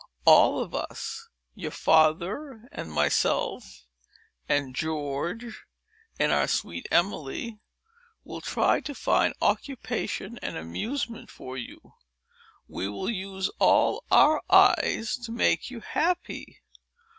"All of us—your father, and myself, and George, and our sweet Emily—will try to find occupation and amusement for you. We will use all our eyes to make you happy.